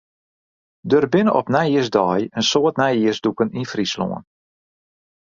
Der binne op nijjiersdei in soad nijjiersdûken yn Fryslân.